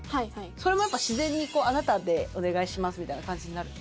それもやっぱ自然にあなたでお願いしますみたいな感じになるの？